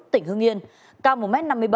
tỉnh hưng yên cao một m năm mươi bảy